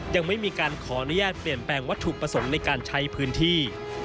ยังไม่มีการขออนุญาตเปลี่ยนแปลงวัตถุประสงค์ในการใช้พื้นที่